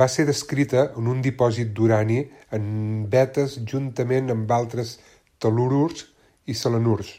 Va ser descrita en un dipòsit d'urani en vetes juntament amb altres tel·lururs i selenurs.